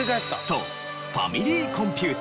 そうファミリーコンピュータ。